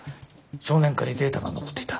少年課にデータが残っていた。